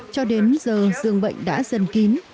cho đến giờ giường bệnh đã dần kín